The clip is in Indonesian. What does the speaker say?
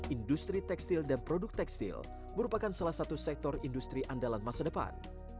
industri tekstil dan produk tekstil merupakan salah satu sektor industri andalan masa depan